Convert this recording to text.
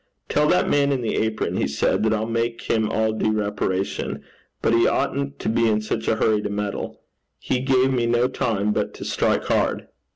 'Tell that man in the apron,' he said, 'that I'll make him all due reparation. But he oughtn't to be in such a hurry to meddle. He gave me no time but to strike hard.'